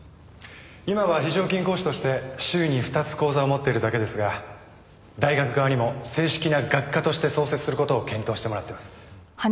今は非常勤講師として週に２つ講座を持っているだけですが大学側にも正式な学科として創設する事を検討してもらってます。